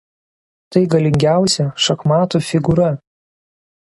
Tai galingiausia šachmatų figūra.